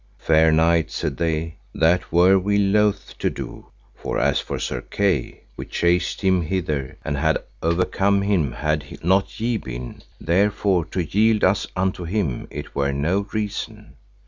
Fair knight, said they, that were we loath to do; for as for Sir Kay, we chased him hither, and had overcome him had not ye been, therefore to yield us unto him it were no reason.